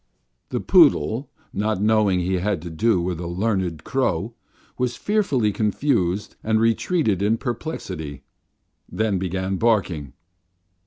The poodle, not knowing he had to do with a learned crow, was fearfully confused and retreated in perplexity, then began barking....